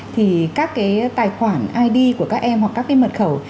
thì các cái tài khoản id của các em hoặc các cái mật khẩu